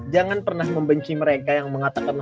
jangan pernah membenci mereka yang mengatakan